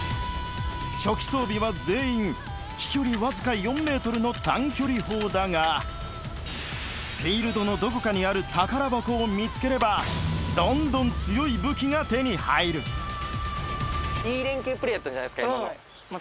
初期装備は全員飛距離わずか４ｍの短距離砲だがフィールドのどこかにある宝箱を見つければどんどん強い武器が手に入る来たぞ